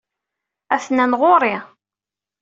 Atnan ɣuṛ-i.